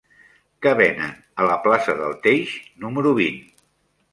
Què venen a la plaça del Teix número vint?